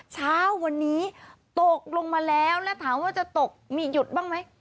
เช้าวันนี้ตกลงมาแล้วแล้วถามว่าจะตกมีหยุดบ้างไหม